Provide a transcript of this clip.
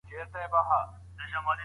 د ډنډ ترڅنګ د ږدن او مڼې ځای ړنګ سوی دی.